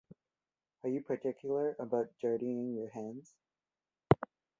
Are you particular about dirtying your hands?